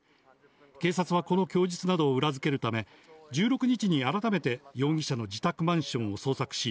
警察はこの供述などを裏付けるため、１６日に改めて容疑者の自宅マンションを捜索し、